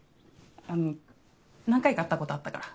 あの何回か会ったことあったから。